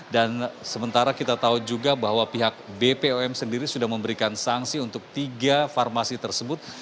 dan sementara kita tahu juga bahwa pihak bpom sendiri sudah memberikan sangsi untuk tiga farmasi tersebut